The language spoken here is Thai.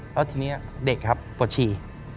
แล้วทีนี้เด็กครับปวดฉี่